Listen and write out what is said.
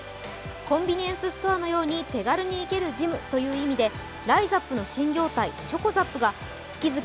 コンビニエンスストアのように手軽にいけるジムということでライザップの新業態ちょこざっぷが月々